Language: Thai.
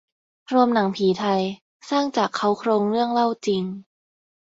รวมหนังผีไทย สร้างจากเค้าโครงเรื่องเล่าจริง